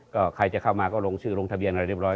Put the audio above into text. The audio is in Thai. ก็ใครจะเข้ามาก็ลงชื่อลงทะเบียนอะไรเรียบร้อ